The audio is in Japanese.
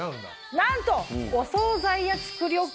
なんと。